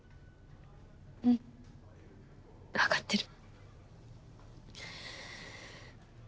うん分かってる。